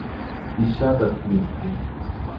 Mi ŝatas grimpi.